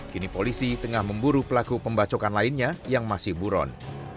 kini polisi tengah memburu pelaku pembacokan lainnya yang masih buron